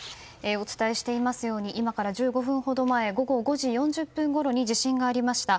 お伝えしていますように今から１５分ほど前午後５時４０分ごろに地震がありました。